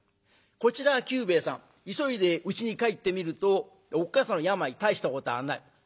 こちらは久兵衛さん急いでうちに帰ってみるとおっ母さんの病大したことはない。